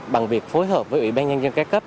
bằng việc phối hợp với ủy ban nhân dân ca cấp